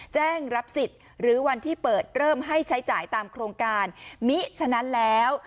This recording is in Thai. รับสิทธิ์หรือวันที่เปิดเริ่มให้ใช้จ่ายตามโครงการมิฉะนั้นแล้ว